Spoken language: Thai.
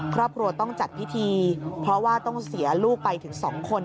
ครอบครัวต้องจัดพิธีเพราะว่าต้องเสียลูกไปถึง๒คน